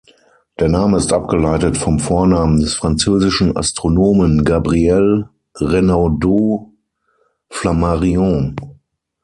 Der Name ist abgeleitet vom Vornamen des französischen Astronomen Gabrielle Renaudot Flammarion.